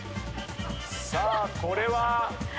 さあこれは。